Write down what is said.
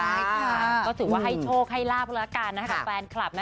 ใช่ค่ะก็ถือว่าให้โชคให้ลาบแล้วกันนะคะกับแฟนคลับนะ